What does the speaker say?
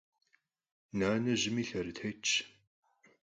Нанэ жьыми, лъэрытетщ.